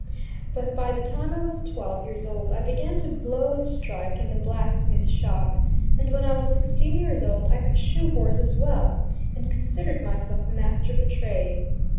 But by the time I was twelve years old I began to blow and strike in the blacksmith shop, and when I was sixteen years old I could shoe horses well, and considered myself master of the trade.